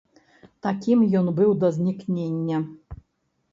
Такім ён быў да знікнення.